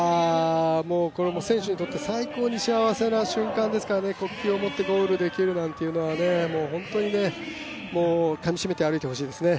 選手にとって最高に幸せな瞬間ですからね、国旗を持ってゴールできるなんていうのはね、本当にかみしめて歩いてほしいですね。